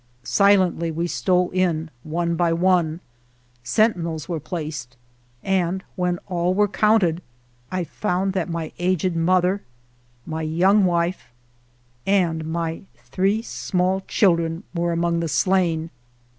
Silently we stole in one by one: sentinels were placed, and, when all were counted, I found that my aged mother, my young wife, and my three small children were among the slain.